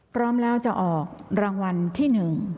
พร้อมแล้วจะออกรางวัลที่๑